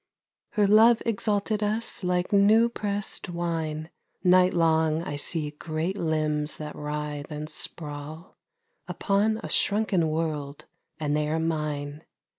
139 THE ASCETIC'S LOVE SONG Her love exalted us like new pressed wine, Nightlong I see great limbs that writhe and sprawl Upon a shrunken world, and they are mine.